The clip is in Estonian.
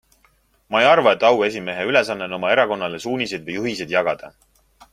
Ma ei arva, et auesimehe ülesanne on oma erakonnale suuniseid või juhiseid jagada.